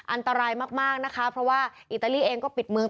อันตรายมากนะคะเพราะว่าอิตาลีเองก็ปิดเมือง